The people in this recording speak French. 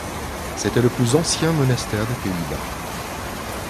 C'était le plus ancien monastère des Pays-bas.